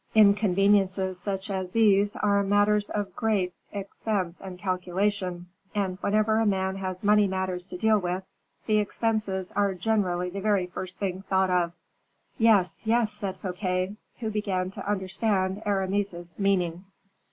"Inconveniences such as these are matters of great expense and calculation, and whenever a man has money matters to deal with, the expenses are generally the very first thing thought of." "Yes, yes," said Fouquet, who began to understand Aramis's meaning.